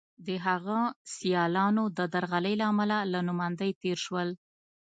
د هغه سیالانو د درغلۍ له امله له نوماندۍ تېر شول.